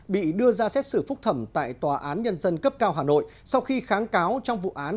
bị đưa ra xét xử phúc thẩm tại tòa án nhân dân cấp cao hà nội sau khi kháng cáo trong vụ án